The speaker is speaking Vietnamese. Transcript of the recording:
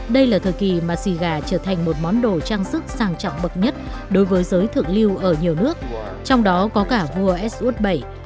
đây là thời kỳ mà xì gà trở thành một món đồ trang sức sàng trọng bậc nhất đối với giới thượng lưu ở nhiều nước trong đó có cả vua s ud bảy